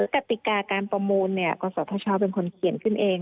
กติกาการประมูลกศธชเป็นคนเขียนขึ้นเอง